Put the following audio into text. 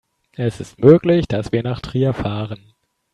Es ist möglich, dass wir nach Trier fahren